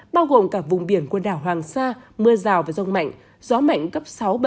bao gồm cả vùng biển quần đảo hoàng sa mưa rào và rông mạnh gió mạnh cấp sáu